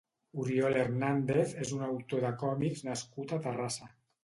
Oriol Hernández és un autor de còmics nascut a Terrassa.